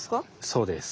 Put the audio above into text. そうです。